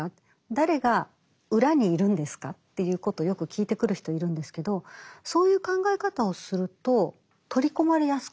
誰が裏にいるんですか？ということをよく聞いてくる人いるんですけどそういう考え方をすると取り込まれやすくなるんです。